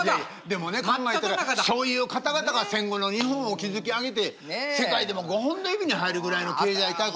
でもね考えたらそういう方々が戦後の日本を築き上げて世界でも５本の指に入るぐらいの経済大国や。